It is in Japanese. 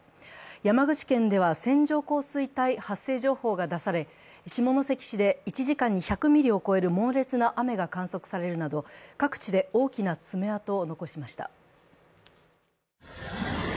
山口県では線状降水帯発生情報が出され、下関市で１時間に１００ミリを超える猛烈な雨が観測されるなど、各地で大きなつめ跡を残しました。